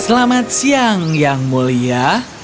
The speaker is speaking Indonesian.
selamat siang yang mulia